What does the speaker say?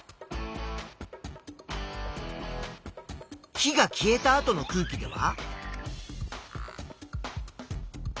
火が消えた後の空気では？